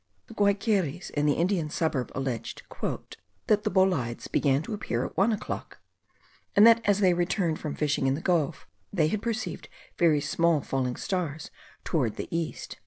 The Guaiqueries in the Indian suburb alleged "that the bolides began to appear at one o'clock; and that as they returned from fishing in the gulf, they had perceived very small falling stars towards the east."